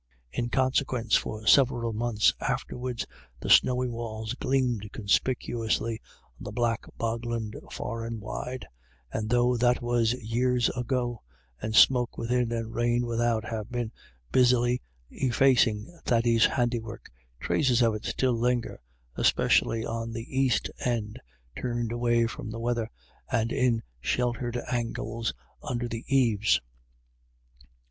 In consequence, for several months afterwards the snowy walls gleamed conspicuously on the black bogland far and wide ; and though that was years ago, and smoke within and rain without have been busily effacing Thady's handiwork, traces of it still linger, especially on the east end, turned away from the weather, and in sheltered angles under the eaves.